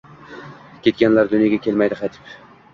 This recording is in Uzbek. Ketganlar dunyoga kelmaydi qaytib.